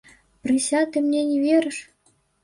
Прыся, ты мне не верыш.